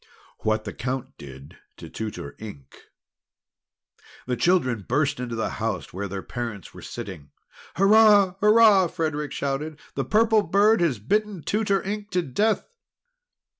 WHAT THE COUNT DID TO TUTOR INK The children burst into the house where their parents were sitting. "Hurrah! Hurrah!" Frederic shouted. "The Purple Bird has bitten Tutor Ink to death!"